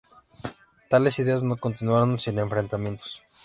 Tales ideas no continuaron sin enfrentamientos.